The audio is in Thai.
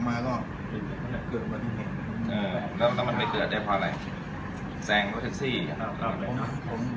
แล้วมันไปเกิดได้พออะไรแซงกับเท็กซี่ครับ